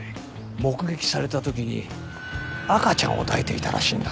目撃された時に赤ちゃんを抱いていたらしいんだ。